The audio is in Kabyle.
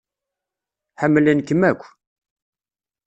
Ḥemmlen-kem akk